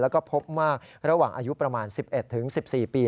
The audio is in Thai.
แล้วก็พบมากระหว่างอายุประมาณ๑๑๑๔ปี